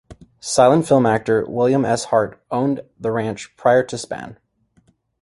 Silent film actor William S. Hart owned the ranch prior to Spahn.